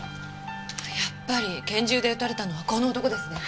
やっぱり拳銃で撃たれたのはこの男ですね。